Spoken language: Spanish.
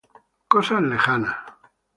Cosas lejanas.